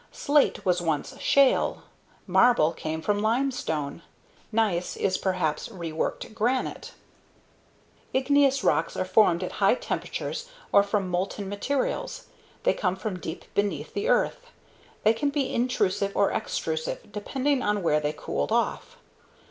Slate was once shale. Marble came from limestone. Gneiss (pronounced "nice") is perhaps reworked granite. [figure captions] Igneous rocks are formed at high temperatures or from molten materials. They come from deep beneath the earth. They can be intrusive or extrusive depending on where they cooled off.